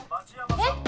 えっ？